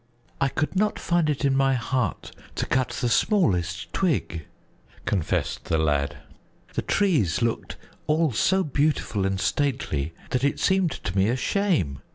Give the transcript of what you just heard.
"I could not find it in my heart to cut the smallest twig," confessed the lad. "The trees looked all so beautiful and stately that it seemed to me a shame.